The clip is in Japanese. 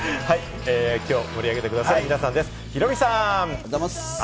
きょうを盛り上げて下さる皆さんです。